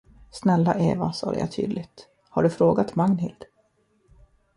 Snälla Eva, sade jag tydligt, har du frågat Magnhild?